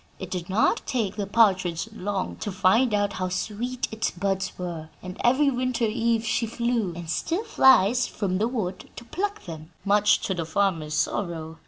It did not take the partridge long to find out how sweet its buds were, and every winter eve she flew, and still flies, from the wood to pluck them, much to the farmer's sorrow.